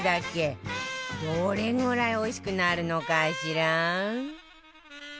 どれぐらいおいしくなるのかしら？